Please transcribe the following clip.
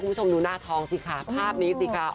คุณผู้ชมดูหน้าท้องสิค่ะภาพนี้สิคะ